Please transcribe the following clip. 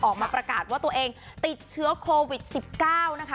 ออกมาประกาศว่าตัวเองติดเชื้อคอล์วิจสิบเก้านะคะ